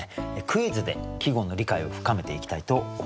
クイズで季語の理解を深めていきたいと思います。